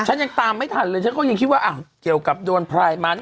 ยังตามไม่ทันเลยฉันก็ยังคิดว่าเกี่ยวกับโดนพลายมัน